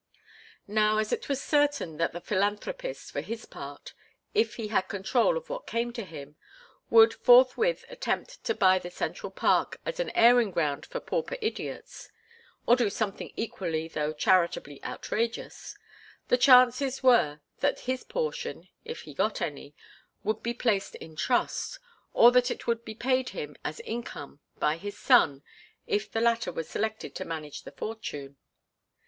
Now as it was certain that the philanthropist, for his part, if he had control of what came to him, would forthwith attempt to buy the Central Park as an airing ground for pauper idiots, or do something equally though charitably outrageous, the chances were that his portion if he got any would be placed in trust, or that it would be paid him as income by his son, if the latter were selected to manage the fortune.